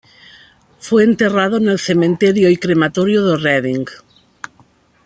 Fue enterrado en el Cementerio y Crematorio de Reading.